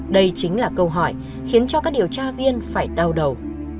đây chính là câu hỏi khiến cho các điều tra viên phải đau đầu